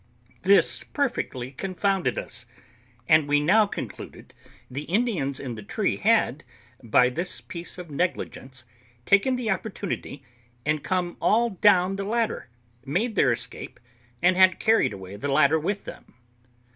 This perfectly confounded us; and we now concluded the Indians in the tree had, by this piece of negligence, taken the opportunity, and come all down the ladder, made their escape, and had carried away the ladder with them.